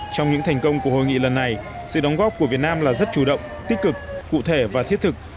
trong những thành công của hội nghị lần này sự đóng góp của việt nam là rất chủ động tích cực cụ thể và thiết thực